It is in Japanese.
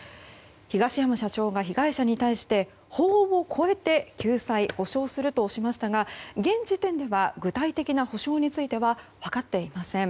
東山社長が被害者に対して法を超えて救済・補償するとしましたが現時点では具体的な補償については分かっていません。